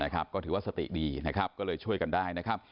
ก็ถือว่าสติดีนะครับก็เลยช่วยกันได้นะครับ